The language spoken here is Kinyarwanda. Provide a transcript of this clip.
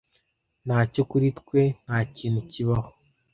ntacyo kuri twe ntakintu kibaho